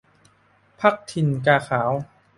พรรคถิ่นกาขาว